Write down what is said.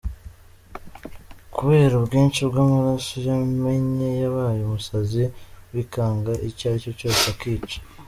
Kubera ubwinshi bw’amaraso yamennye yabaye umusazi wikanga icyo ari cyo cyose akica.